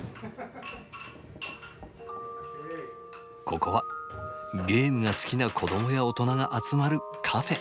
ここはゲームが好きな子どもや大人が集まるカフェ。